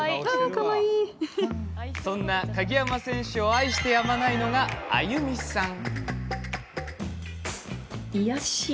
そんな鍵山選手を愛してやまないのが亜由美さん。